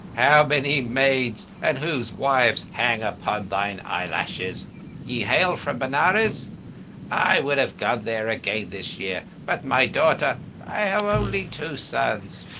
How many maids, and whose wives, hang upon thine eyelashes? Ye hail from Benares? I would have gone there again this year, but my daughter—we have only two sons.